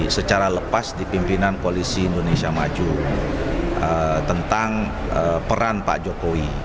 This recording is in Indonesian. secara lepas di pimpinan koalisi indonesia maju tentang peran pak jokowi